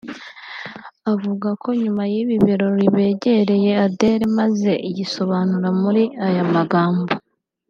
avuga ko nyuma y’ibi birori begereye Adele maze yisobanura muri aya magambo